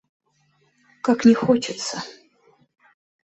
Как не хочется.